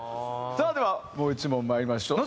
さあではもう１問まいりましょう。